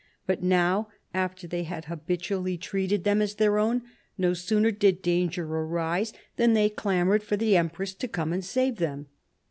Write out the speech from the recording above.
But now, after they had habitually treated them as their own, no sooner did danger arise than they clamoured for the empress to come and save them.